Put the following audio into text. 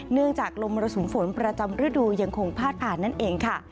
จากลมมรสุมฝนประจำฤดูยังคงพาดผ่านนั่นเองค่ะ